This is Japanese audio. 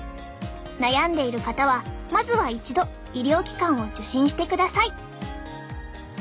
悩んでいる方はまずは一度医療機関を受診してください！